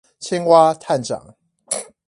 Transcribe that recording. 青蛙探長